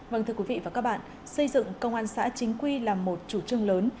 vâng thưa quý vị và các bạn xây dựng công an xã chính quy là một chủ trương lớn